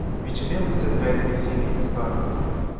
Відчинилися двері до сіней із хати.